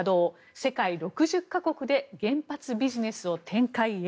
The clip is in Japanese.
世界６０か国で原発ビジネスを展開へ。